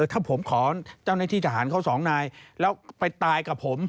ถ้าผมขอเจ้าหน้าที่ทหารเขาสองนายแล้วไปตายกับผม